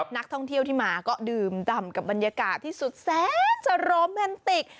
นักท่องเที่ยวที่มาก็ดื่มดำกับบรรยากาศที่สุดแสนสโรแมนติก